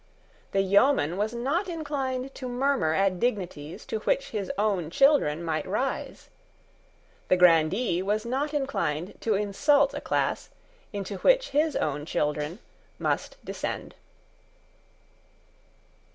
The yeoman was not inclined to murmur at dignities to which his own children might rise. The grandee was not inclined to insult a class into which his own children must descend.